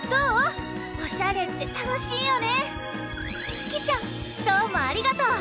つきちゃんどうもありがとう。